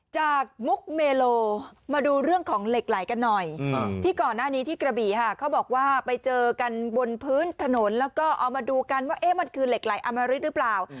จากมุกเมโลมาดูเรื่องของเหล็กไหลกันหน่อยที่ก่อนหน้านี้ที่กระบี่ค่ะเขาบอกว่าไปเจอกันบนพื้นถนนแล้วก็เอามาดูกันว่ามันคือเหล็กไหลอมริตหรือเปล่า